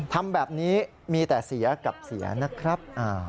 ทำแบบนี้มีแต่เสียกับเสียนะครับ